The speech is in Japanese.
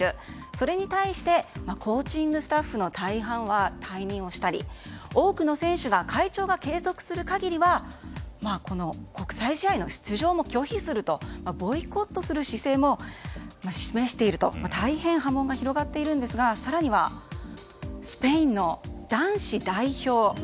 それに対してコーチングスタッフの大半は退任をしたり、多くの選手が会長が継続する限りは国際試合の出場も拒否するとボイコットする姿勢も示していると大変波紋が広がっているんですが更にはスペインの男子代表。